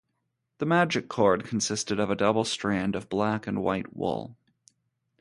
The magic cord consisted of a double strand of black and white wool.